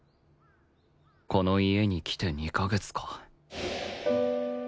この家に来て２カ月か